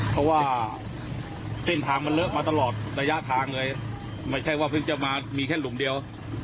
เพราะว่าเส้นทางมันเลอะมาตลอดระยะทางเลยไม่ใช่ว่าเพิ่งจะมามีแค่หลุมเดียว